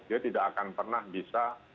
dia tidak akan pernah bisa